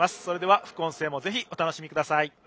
それでは、副音声もぜひ、お楽しみください。